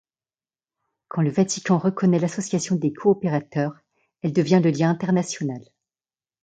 Quand le Vatican reconnaît l'Association des coopérateurs, elle devient le lien international.